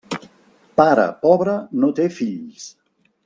Pare pobre no té fills.